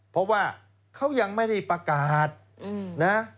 เพราะว่าเขายังไม่ได้ประกาศนะ